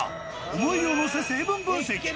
思いを乗せ、成分分析。